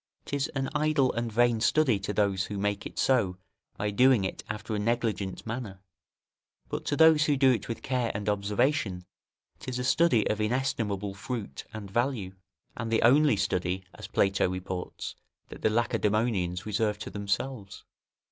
'Tis an idle and vain study to those who make it so by doing it after a negligent manner, but to those who do it with care and observation, 'tis a study of inestimable fruit and value; and the only study, as Plato reports, that the Lacedaemonians reserved to themselves.